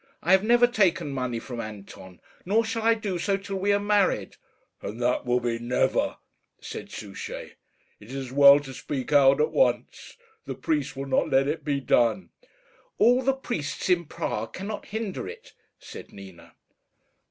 I have never taken money from Anton; nor shall I do so till we are married." "And that will be never," said Souchey. "It is as well to speak out at once. The priest will not let it be done." "All the priests in Prague cannot hinder it," said Nina.